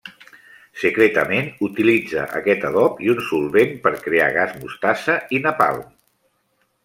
Secretament, utilitza aquest adob i un solvent per crear gas mostassa i napalm.